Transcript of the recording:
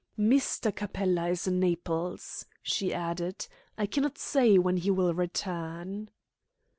"Mr. Capella is in Naples," she added. "I cannot say when he will return."